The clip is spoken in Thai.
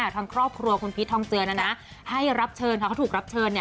ทางครอบครัวคุณพีชทองเจือนนะนะให้รับเชิญเขาก็ถูกรับเชิญเนี่ย